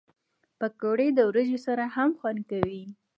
پکورې د وریجو سره هم خوند کوي